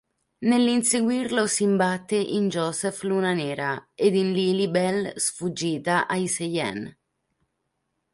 Nell'inseguirlo si imbatte in Joseph "Luna Nera" ed in Lily Bell sfuggita ai Cheyenne.